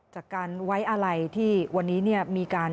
จากการไว้อะไรที่วันนี้มีการ